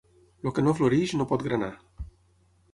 El que no floreix no pot granar.